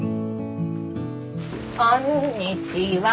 こんにちは。